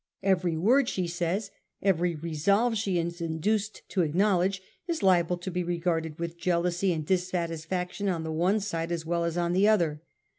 Every word she says, every resolve she is induced to ac knowledge, is liable to be regarded with jealousy and dissatisfaction on the one side as well as on the other.